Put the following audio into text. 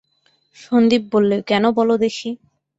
সন্দীপ বললে, কেন বলো দেখি।